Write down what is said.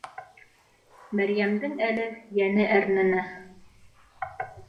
Мәрйәмдең әле йәне әрнене